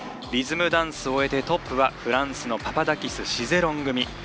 リズムダンスを終えてトップはフランスのパパダキス、シゼロン組。